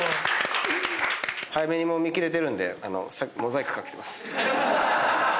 早めに見切れてるんでモザイクかけてます。